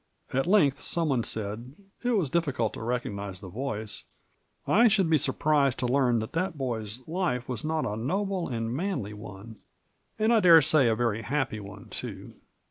At length some one said— it was difficult to recog nize the voice —" I should be surprised to learn that that boy's life Digitized by VjOOQIC 114 MABJ0B7. was not a noble and manly one, and I dare say a very bappy one, too.